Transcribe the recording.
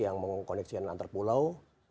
yang mengkoneksikan antar pulau